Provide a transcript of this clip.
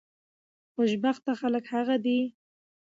خوشبخته خلک هغه دي